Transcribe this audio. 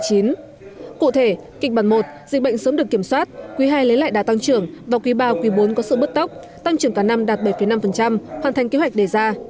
cụ thể kịch bản một dịch bệnh sớm được kiểm soát quý ii lấy lại đá tăng trưởng vào quý iii quý iv có sự bước tốc tăng trưởng cả năm đạt bảy năm hoàn thành kế hoạch đề ra